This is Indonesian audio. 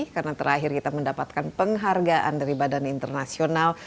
karena terakhir kita mendapatkan penghargaan dari badan internasional